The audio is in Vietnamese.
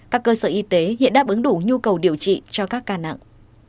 các cơ sở y tế hiện đáp ứng đủ nhu cầu điều trị cho các ca nặng